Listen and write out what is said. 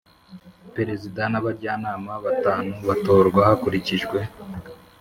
Perezida n abajyanama batanu batorwa hakurikijwe